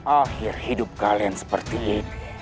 akhir hidup kalian seperti ini